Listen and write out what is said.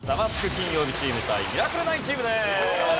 金曜日チーム対ミラクル９チームです。